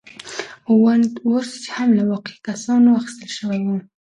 وُنت وُرث هم له واقعي کسانو اخیستل شوی و.